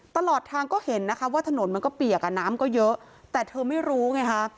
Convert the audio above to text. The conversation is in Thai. ตลอดทางก็เห็นนะคะว่าถนนมันก็เปียกอ่ะน้ำก็เยอะแต่เธอไม่รู้ไงคะ